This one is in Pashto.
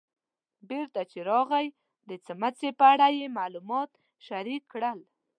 بېرته چې راغی د څمڅې په اړه یې معلومات شریک کړل.